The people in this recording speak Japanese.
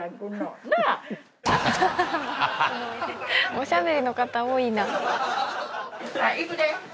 おしゃべりの方多いな。